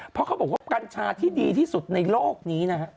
เพราะเขาบอกว่ากัญชาที่ดีที่สุดในโลกนี้นะฮะ